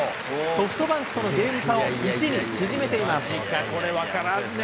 ソフトバンクとのゲーム差を１に縮めています。